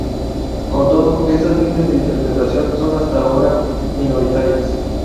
Con todo, estas líneas de interpretación son hasta ahora minoritarias.